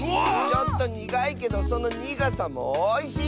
ちょっとにがいけどそのにがさもおいしい！